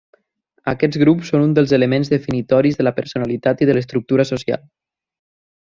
Aquests grups són un dels elements definitoris de la personalitat i de l'estructura social.